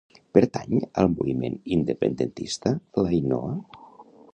Pertany al moviment independentista l'Ainoa?